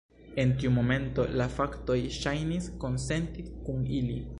En tiu momento, la faktoj ŝajnis konsenti kun ili.